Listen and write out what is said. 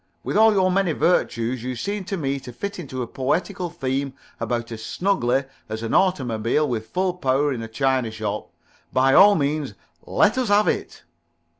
With all your many virtues, you seem to me to fit into a poetical theme about as snugly as an automobile with full power on in a china shop. By all means let us have it."